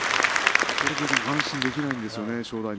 これで安心できないんですよね